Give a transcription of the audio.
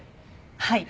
はい。